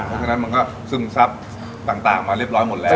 เพราะฉะนั้นมันก็ซึมซับต่างมาเรียบร้อยหมดแล้ว